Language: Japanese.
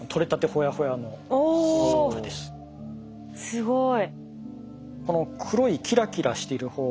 すごい。